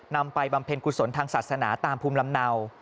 ไปบำเพ็ญกุศลทางศาสนาตามภูมิลำเนา